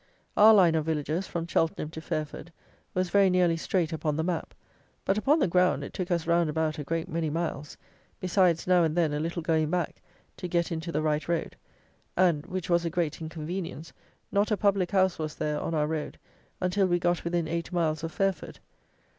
Our line of villages, from Cheltenham to Fairford was very nearly straight upon the map; but, upon the ground, it took us round about a great many miles, besides now and then a little going back, to get into the right road; and, which was a great inconvenience, not a public house was there on our road, until we got within eight miles of Fairford.